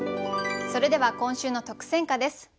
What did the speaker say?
それでは今週の特選歌です。